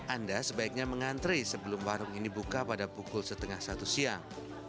anda sebaiknya mengantre sebelum warung ini buka pada pukul setengah satu siang